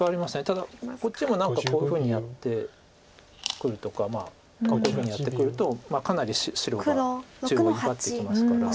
ただこっちも何かこういうふうにやってくるとかまあこういうふうにやってくるとかなり白が中央威張ってきますから。